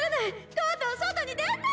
とうとう外に出た！